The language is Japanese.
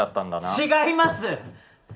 違います！